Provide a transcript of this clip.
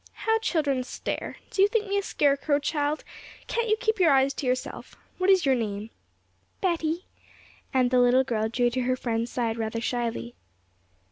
'How children stare! Do you think me a scarecrow, child? can't you keep your eyes to yourself? What is your name?' 'Betty,' and the little girl drew to her friend's side rather shyly.